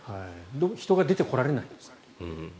人が出てこられないんですね。